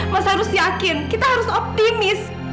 mas harus yakin kita harus optimis